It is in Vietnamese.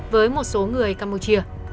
với một số người campuchia